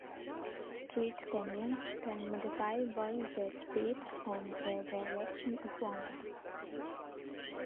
Street canyons can modify both the speed and the direction of winds.